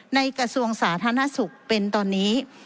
กระทรวงสาธารณสุขเป็นตอนนี้